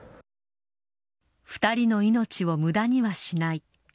２人の命をむだにはしない。